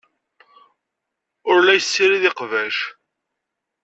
Ur la yessirid iqbac.